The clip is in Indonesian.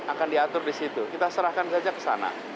akan diatur di situ kita serahkan saja ke sana